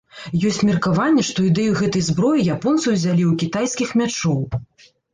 Ёсць меркаванне, што ідэю гэтай зброі японцы ўзялі ў кітайскіх мячоў.